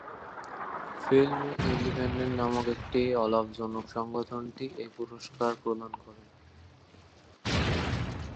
Film independent নামক একটি অলাভজনক সংগঠনটি এই পুরস্কার প্রদান করে।